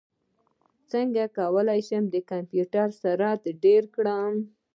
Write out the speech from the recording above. څنګه کولی شم د کمپیوټر سرعت ډېر کړم